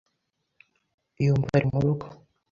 Yumva ari murugo .